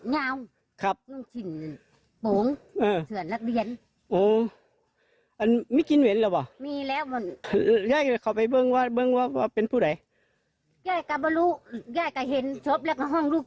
ยายก็บรู้ยายก็เห็นชบแล้วก็ห้องลูกสาวลูกชายแล้วก็